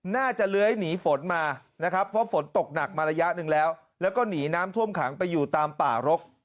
เลื้อยหนีฝนมานะครับเพราะฝนตกหนักมาระยะหนึ่งแล้วแล้วก็หนีน้ำท่วมขังไปอยู่ตามป่ารก